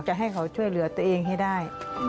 จะให้เขาช่วยเหลือตัวเองให้ได้